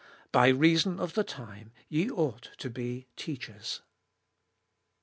By reason of the time ye ought to be teachers.